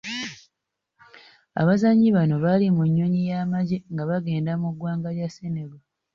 Abazannyi bano baali mu nnyonyi y'amagye nga bagenda mu ggwanga lya Senegal.